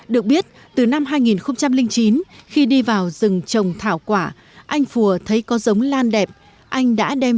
được biết từ năm hai nghìn chín khi đi vào rừng trồng thảo quả anh phùa thấy có giống lan đẹp anh đã đem